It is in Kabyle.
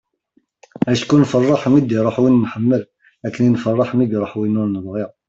acku nfeṛṛeḥ mi d-iruḥ win nḥemmel akken i nfeṛṛeḥ mi iruḥ win ur nebɣi